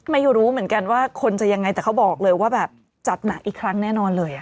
ไม่รู้เหมือนกันว่าคนจะยังไงแต่เขาบอกเลยว่าแบบจัดหนักอีกครั้งแน่นอนเลย